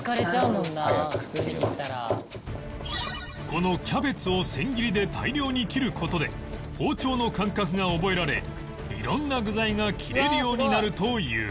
このキャベツを千切りで大量に切る事で包丁の感覚が覚えられ色んな具材が切れるようになるという